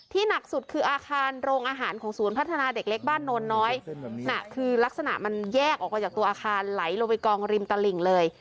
หนักสุดคืออาคารโรงอาหารของศูนย์พัฒนาเด็กเล็กบ้านโนนน้อยน่ะคือลักษณะมันแยกออกมาจากตัวอาคารไหลลงไปกองริมตลิ่งเลย